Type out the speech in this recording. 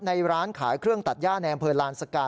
ในร้านขายเครื่องตัดย่าในอำเภอลานสกา